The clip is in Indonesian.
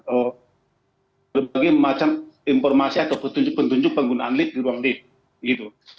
eh berbagai macam informasi atau petunjuk petunjuk penggunaan lift di ruang lift gitu